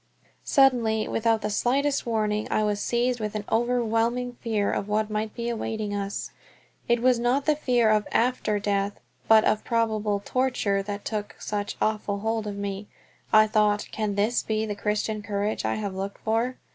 Suddenly, without the slightest warning, I was seized with an overwhelming fear of what might be awaiting us. It was not the fear of after death, but of probable torture, that took such awful hold of me. I thought, "Can this be the Christian courage I have looked for?"